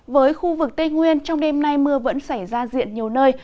với khu vực tây nguyên trong đêm nay mưa vẫn xảy ra diện nhiều nơi